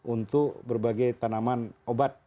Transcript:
untuk berbagai tanaman obat